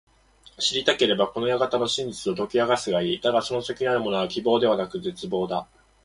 知りたければ、この館の真実を解き明かすがいい。だがその先にあるものは…希望ではなく絶望だ。